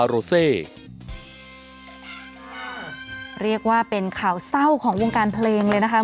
เรียกว่าเป็นข่าวเศร้าของวงการเพลงเลยนะคะ